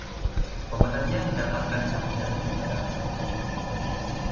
Pemenangnya mendapat sambutan dari para penonton.